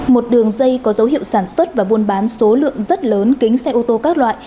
một đường dây có dấu hiệu sản xuất và buôn bán số lượng rất lớn kính xe ô tô các loại